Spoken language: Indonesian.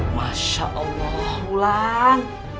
masya allah ular